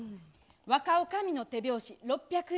若女将の手拍子６００円。